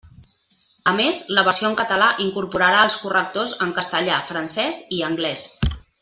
A més, la versió en català incorporà els correctors en castellà, francès i anglès.